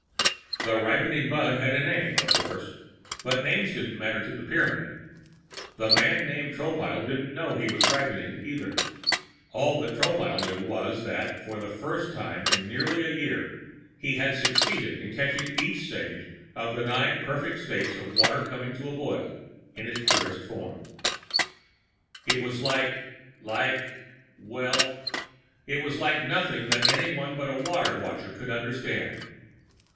The ripening bud had a name, of course, but names didn't matter to the Pyramid. The man named Tropile didn't know he was ripening, either. All that Tropile knew was that, for the first time in nearly a year, he had succeeded in catching each stage of the nine perfect states of water coming to a boil in its purest form. It was like ... like ... well, it was like nothing that anyone but a Water Watcher could understand.